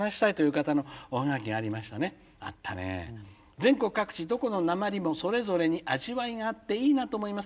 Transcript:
「全国各地どこのなまりもそれぞれに味わいがあっていいなと思います。